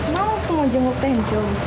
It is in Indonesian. mau langsung mau jemur teh hencum